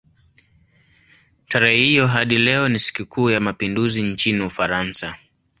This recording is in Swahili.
Tarehe hiyo hadi leo ni sikukuu ya mapinduzi nchini Ufaransa.